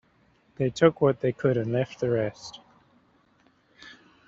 They took what they could and left the rest.